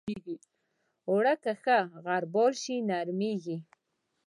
اوړه که ښه غربال شي، نرمېږي